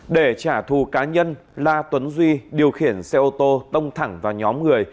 để trả thù cá nhân la tuấn duy điều khiển xe ô tô tông thẳng vào nhóm người